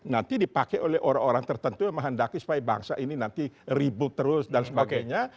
nanti dipakai oleh orang orang tertentu yang menghendaki supaya bangsa ini nanti ribut terus dan sebagainya